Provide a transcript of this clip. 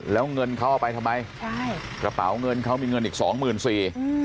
แล้วเงินเขาเอาไปทำไมใช่กระเป๋าเงินเขามีเงินอีกสองหมื่นสี่อืม